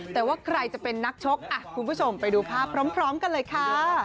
แต่ว่าใครจะเป็นนักชกคุณผู้ชมไปดูภาพพร้อมกันเลยค่ะ